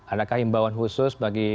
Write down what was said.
adakah imbauan khusus bagi